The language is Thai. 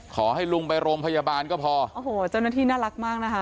ขอให้ลุงไปโรงพยาบาลก็พอโอ้โหเจ้าหน้าที่น่ารักมากนะคะ